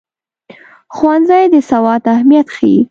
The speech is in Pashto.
ښوونځی د سواد اهمیت ښيي.